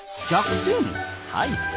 はい。